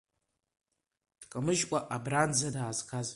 Дкамыжькәа абраанӡа даазгаз…